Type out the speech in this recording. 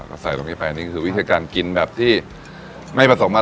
แล้วก็ใส่ตรงนี้ไปอันนี้คือวิธีการกินแบบที่ไม่ผสมอะไร